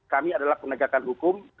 kami adalah penegakan hukum